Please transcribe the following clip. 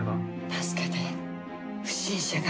助けて不審者が。